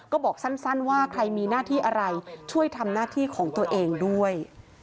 ก็บอกสั้นว่าใครมีหน้าที่อะไรช่วยทำหน้าที่ของตัวเองด้วย